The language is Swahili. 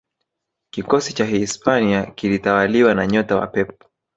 kikosi cha Hispania kilitawaliwa na nyota wa Pep